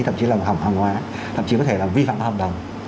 thậm chí là hỏng hỏng hóa thậm chí có thể là vi phạm hợp đồng